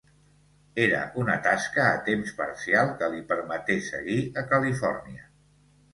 Era una tasca a temps parcial que li permeté seguir a Califòrnia.